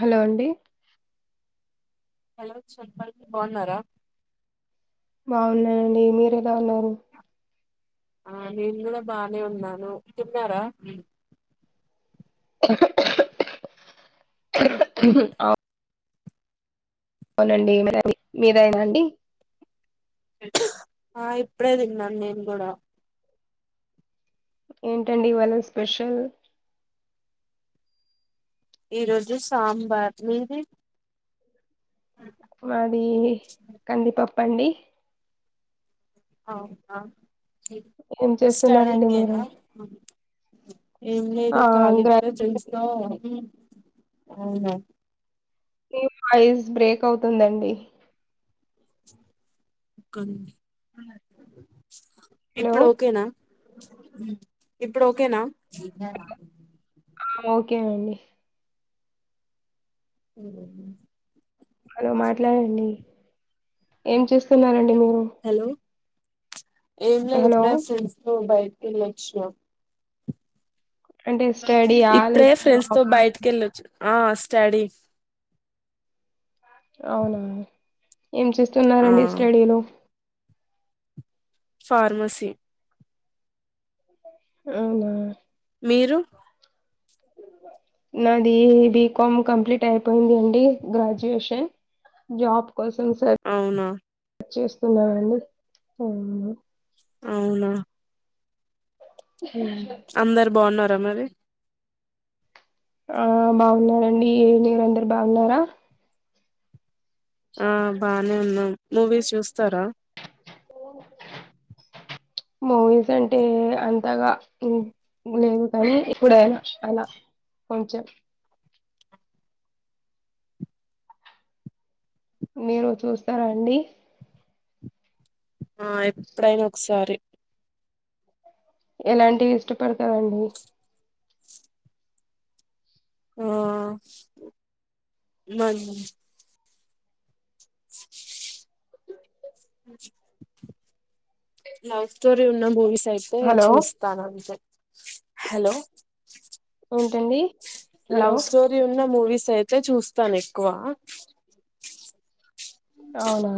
Hello అండి hello చంపల్కి బాగున్నారా బాగున్నానండి మీర ఎలా ఉన్నారు ఆ నేను కూడా బానే ఉన్నాను తిన్నారా అవు అవునండి మీ మీరైనా అండి ఆ ఇప్పుడే తిన్నాను నేను కూడా ఏంటండి ఇవాళ స్పెషల్ ఈ రోజు సాంబార్ మీది మాది కంది పప్పు ప్పండి ఆహా ఏం చేస్తున్నారండి స్టడింగ్ మీరు ఏనా ఏం లేదు ఆ కాలిప్ప గ్రాడ్యుయేట్లీ పెన్స్ తో అవును నీ వయిస్ బ్రేక్ అవుతుందండి క హలో ఇప్పుడు ఓకేనా ఇప్పుడు ఓకేనా ఆ ఓకే అండి ఉఓ హలో మాట్లాడండి ఏం చేస్త స్తున్నారండి మీరు హలో ఏం లేదు హలో ఇప్పుడె ఫ్రెండ్స్ తో బయట కేలేచినా అంటే స్టడీయా ఇప్పుడే లేదా ఫ్రెండ్స్ తో జాబా బయటికి వెళ్ళొచ్చ ఆ స్టాడీ అవునా ఏం ఆ చేస్తున్నారండి స్టడీలో ఫార్మసి అవునా మీరు నాది బీకామ్ కంప్లీట్ అయిపోయింది అండి గ్రాడ్యుయేషన్ జాబ్ కోసం సెర్ అవునా చేస్తూ సున్నామన్న అవునా అందరు బాన్న అ మరి ఆ బాగున్నారండి నీరందరు బాన్నారా ఆ బానే ఉన్నాం మూవీస్ చూస్తారా మూవీస్ అంటే అంతగా లేదు కానీ ఇప్పుడైనా అలా కొంచెం మీరు చూస్తారా అండి ఆ ఎప్పుడైనా ఒకసారి ఎలాంటివి ఇష్టపడతారుండి ఆ మ వో లవ్ స్టోర ఉన్న బోవి అయితే హలో చూస్తాను అంతే హలో ఉంటండి వ్ స్టోరి ఉన్న మూవీస్ అయితే చూస్తాను ఎక్కువ అవునా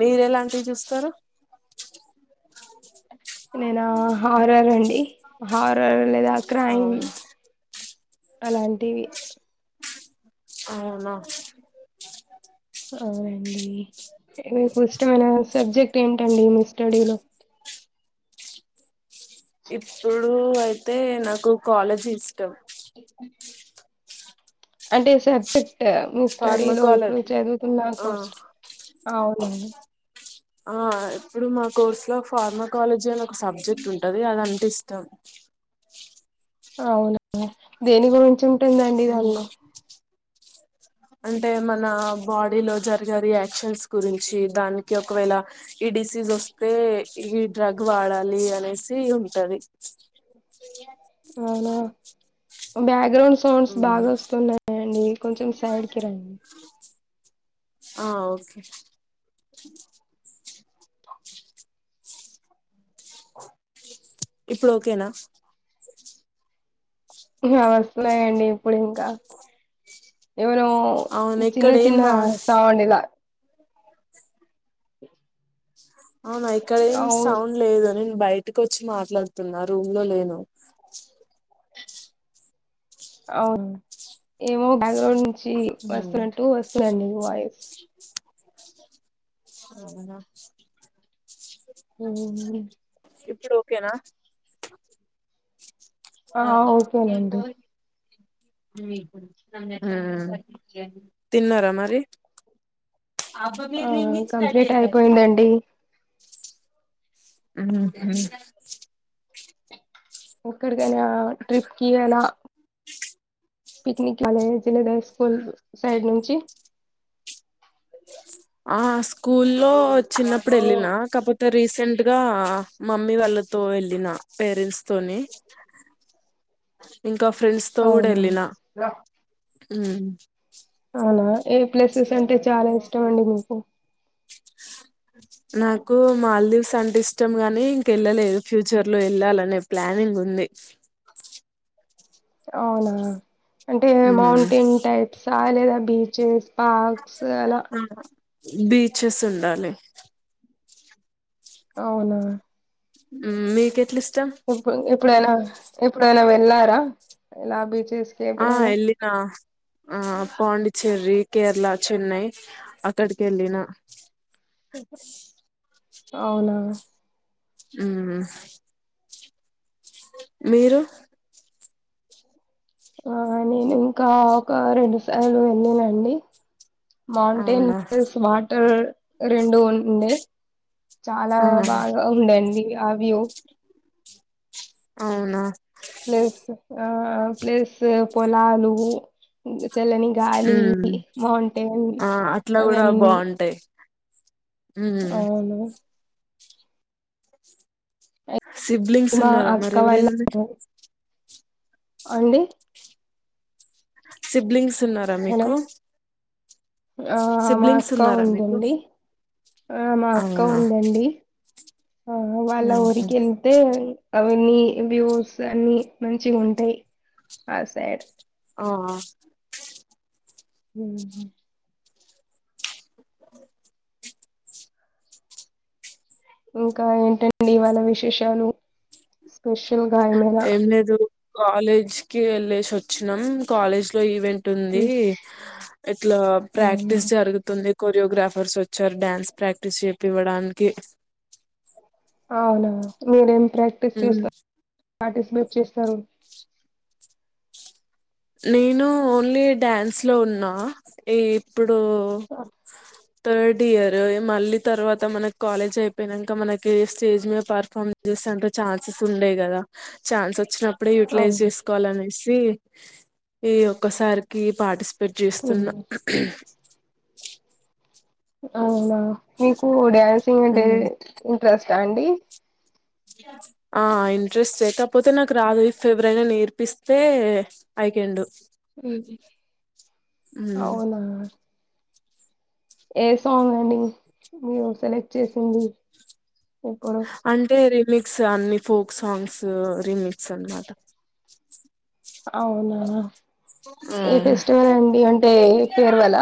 మీరు ఎలాంటివి చూస్తారు అ నేను హారర్ అండి హారర్ లేదా క్రైమ్ అవును అలాంటివి అవునా అవునండి మీకు ఇష్టమైన సబ్జెక్ట్ ఏంటండి మీ స్టడీలో ఇప్పుడు అయితే నాకు కాలేజ్ అం అంటే స మీ స్టడీలో ఇప్పుడు ఫార్మకాలజీ చదువుతున్న ఆ కోర్స్ అవునండి ఆ ఇప్పుడు మా కోర్సు లో ఫార్మాకాలజీ అని ఒక సబ్జెక్ట్ ఉంటది అదంటే ఇష్టం అవును దేని గురించం దంటి కా అంటే మన బాడీలో జరిగే రియాక్షన్స్ గురించి దానికి ఒకవేళ ఈ డిసీజ్ వస్తే ఈ డ్రగ్ వాడాలి అనేసి ఉంటది అవునా బ్యాగ బ్యాక్గ్రౌండ్ సౌండ్స్ బాగా వస్తున్నాయండి కొంచెం సైడ్కి రండి ఆ ఓకే ఇప్పుడు ఓకేనా వస్తులుయంండి పడుకా ఎవర అవును చిన్న ఇక్కడ ఏం చిన్న నా సవాండలా అవునా ఇక్కడ ఏం అవు సౌండ్ లేదుని బయటకు వచ్చి మాట్లాడుతున్నా రూమ్ లో లేను అవును ఏమో బ్యాక్గ్రౌండ్ ఉమ్, వస్తుంటటు వస్తులండి వాయిస్ అవునా ఆ ఇప్పుడ ఓకేనా ఆ ఓకేనండి తిన్నారా మరి ఆ కంప్లీట్ అయిపోయిందండి ఆ ఎక్కడికైనా ట్రిప్ కి అలా ఇ పిక్నిక్ కాలే జలదై స్కూల్ సైడ్ నుంచి ఆ స్కూల్లో చిన్నప్పుడు వెళ్ళినా కాకపోతే రీసెంట్ గా మమ్మీ వాళ్ళతో వెళ్ళిన పేరెంట్స్ తో ఇకా ఫ్రెండ్స్ తో కూడా అవునా వెళ్ళనా ఆ అనా ఏ ప్లేసెస్ అంటే చాలా ఇష్టం అండి మీకు నాకు మాాలదీవ్స్ అంటే ఇష్టం గాని ఇంకెళ్ళలేదు ఫ్యూచర్ లో వెళ్ళాలనే ప్లానింగ్ ఉంది అవునా అంటే ఉమ్. మౌంటైన్ టైప్స్ కాాలేద బచేస్ పస్ ఎలా బీచస్ ఉండాలి అవునా మీక ఎప్పుడు ఎప్పుడైనా ఇప్పుడునా వెళ్ళారా ఎలా బీచ్ ఆ ఎలినా ఆ పాండిచ్చేరి కేరళ చెన్నై అక్కడికి వెళ్ళిన అవునా అ మీరు ఆ నేను ఇంకా ఒక రెండు సార్లు వెళ్ళనండి అవునా మాౌంటెన్స్ వాటర్ రెండ ఉడి చాలా ఆ బాగా ఉండడి ఆో అవునా ప్లస్ ఆ ప్లస్ పొలాలు చల్లని గాలి ఉమ్. మౌంటైన్ ఆ అట్లా కూడా అవన్నీ బాగుంటాయి ఉమ్ అవును సిబ్లింగ్స్ మా ఉన్నారా అక్క మరి ఎవరైనా మీ అవుండి సిబ్లింగ్స్ ఉన్నారా హలో మీకు ఆ మా సిబ్లింగ్స్ అక్క ఉన్నారా మీకు ఉందండి ఆ మా అక్క అవునా ఉందండి ఆ అ అళ ఉహు ఊరిక వెళ్తే ఇన్ని వ్యూస్ అన్ని మంచిగా ఉంటాయి ఆ సైడ్ ఆ హ అ ఇంకా ఏంటండి ఇవాళ విశేషాలు స్పెషల్ గా ఏమైనా ఎమ్లేదు కాలేజ్కిి వెళ్ళేసి వచ్చినాం కాలేజ్ లో ఈవెంట్ ఉంది ఉమ్ ఇట్లా అవునా ప్రాక్టీస్ జరుగుతుంది కోరియోగ్రాఫర్స్ వచ్చారు డ్యాన్స్ ప్రాక్టీస్ చేపివ్వడానికి అవునా మీరెం ప్రాక్టీస్ ఉమ్ చేసుస్త పార్టిపేట్ చేస్తాను నేను ఓన్లీ డ్యాన్స్ లో ఉన్న ఈ ఇప్పుడు థర్డ్ ఇయర్ మళ్ళీ తర్వాత మనకి కాలేజ్ అయిపోయినాక మనకి స్టేజ్ మీద పర్ఫార్మ్ చేసాంట ఛాన్సెస్ ఉండేయి కదా ఛాన్స్ వచ్చినప్పుడు ఇప్పుడు యూటిలైజ్ అవును చేసువాల అనే తే ఈ ఒక్కసారికి పాటిసిప పెట్ చేస్తున్న ఉమ్. అవునా మీకుడ ంట ఉమ్. ్రస్ా అండి ఆ ఇంట్రెస్ట్ లేకపోతే నాకు రాదు ఇఫ ఎవరైనా నేర్పిస్తే ఈ కాన్ డూ అవునా ఏ సాంగ్ అండి మీరు సెలెక్ట్ చేసింది ఇప్పుడు అంటే ర మిక్స్ అన్ని ఫోక్ సాంగ్స్ రీమిక్స్ అనమాట అవునా ఏ ఉమ్ ఫెస్టివల్ అండి అంటే పేర్ వాల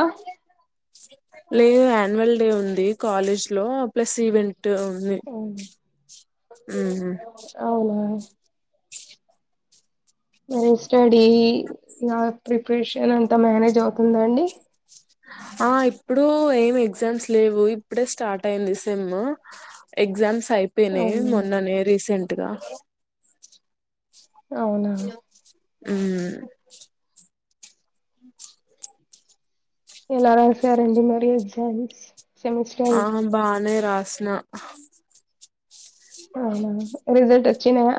లేదు యాన్యువల్ డే ఉంది కాలేజ్ లో ప్లస్ ఈవెంట్ అవు అవును. అవునా మరి స్టడీ ఇ ప్రిపరేషన్ అంతా మేనేజ్ అవుతుందండి ఆ ఇప్పుడు ఏం ఎగ్జామ్స్ లేవు ఇప్పుడే స్టార్ట్ అయింది సేమ్ ఎగ్జామ్స్ అయిపోయినాయి అవునా మొన్ననే రీసెంట్ టుగా అవునా హలో అ అ ఎలాారాసే రెం మార ఎజాన్స్ అహ బానే రాస్నా హ అవునా రిజల్ట్ వచ్చినయా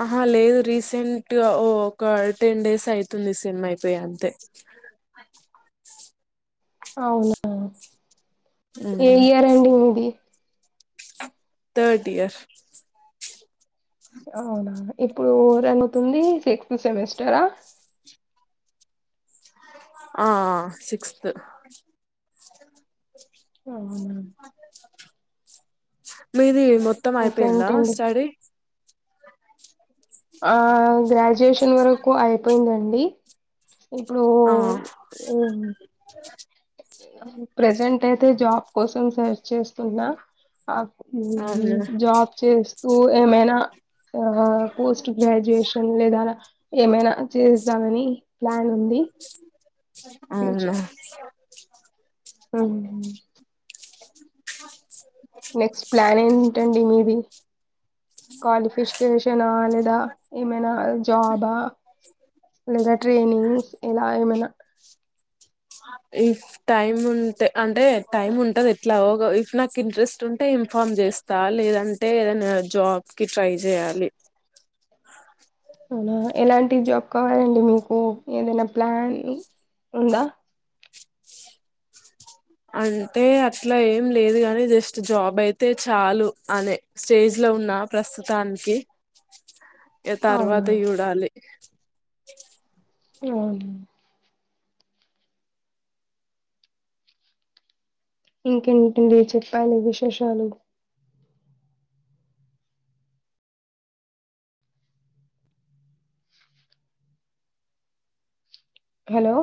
ఆహా లేదు రీసెంట్ గా ఓ ఒక టెన్ డేస్ అయితుంది సిమ్ అయిపోయి అంతే అవునా ఏ ఉమ్ year ending the third year అవునా ఇప్పుడు రంగతుంది సిక్స్త్ సెమిస్టరా ఆ సిక్స్త్ ఆ అవునా మీది మొత్తం అయిపోయిందా ఇంకేంటండి స్టడీ ఆ గ్రాడ్యుయేషన్ వరకు అయిపోయిందండి ఇప్పుడు ఆ ఉమ్ ప్రజెంట్ అయితే జాబ్ కోసం సెర్చ్ చేస్తున్నా అప్ అవును జాబ్ చేస్త ఉ ఏమైనా ఆ పోస్ట్ గ్రాడ్యుయేషన్ లేదా ఏమైనా చేద్దామని ప్లాన్ ఉంది అవును అవును నెక్స్ట్ ప్లాన్ ఏంటండి మీది క్వాలిఫికేషనా లేదా ఏమైనా జాబా లేదా ట్రైనింగ్స్ ఇలా ఏమైనా ఇఫ్ టైమ్ ఉంటే అంటే టైమ్ ఉంటంది ఎట్లా ఇఫ్ నాకు ఇంట్రెస్ట్ ఉంటే ఇన్ఫామ్ చేస్తా లేదంటే ఏదనా జాబ్ కి ట్రై చేయాలి అవునా ఎలాంటి జాబ్ కావాలండి మీకు ఏదైనా ప్లాన్ ఉందా అంటే అట్లా ఏం లేదు గాని జస్ట్ జాబ్ అయితే చాలు అనే స్టేజ్ లో ఉన్నా ప్రస్తుతానికి తర్వాత అవునా చూడాలి అవును ఇంకేంటిడి చెప్పిలీ విశేషాలు హలో